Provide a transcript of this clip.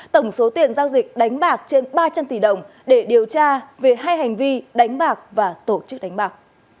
tổng số tiền giao dịch đánh bạc trên ba trăm linh tỷ đồng để điều tra về hai hành vi đánh bạc và tổ chức đánh bạc